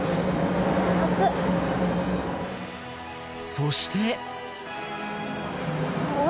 そして。